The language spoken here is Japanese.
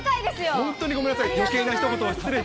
本当にごめんなさい。